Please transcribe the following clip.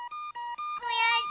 くやしい！